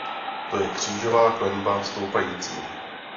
To je křížová klenba stoupající.